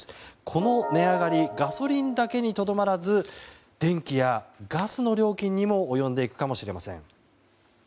この値上がりガソリンだけにとどまらず電気やガスの料金にも及んでいくかもしれません。